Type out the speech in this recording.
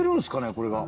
これが。